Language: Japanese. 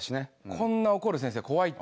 こんな怒る先生怖いって。